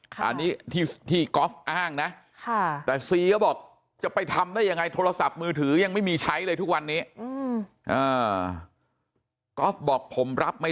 แต่ซีก็บอกจะไปทำได้ยังไงทหลาสับมือถือยังไม่มีใช้เลยทุกวันนี้